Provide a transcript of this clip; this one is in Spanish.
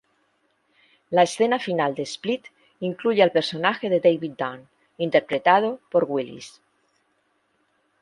La escena final de "Split" incluye al personaje de David Dunn, interpretado por Willis.